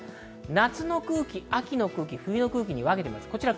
夏の空気、秋の空気、冬の空気に分けています。